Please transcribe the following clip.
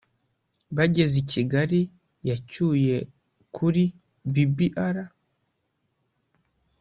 bageze ikigali yacyuye kuri (bbr)